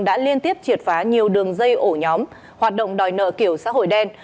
đã liên tiếp triệt phá nhiều đường dây ổ nhóm hoạt động đòi nợ kiểu xã hội đen